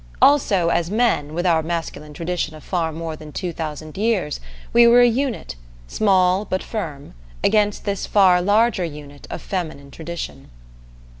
Also, as men, with our masculine tradition of far more than two thousand years, we were a unit, small but firm, against this far larger unit of feminine tradition.